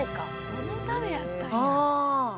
そのためやったんや。